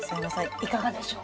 いかがでしょう？